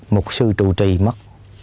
một sư trụ trì mất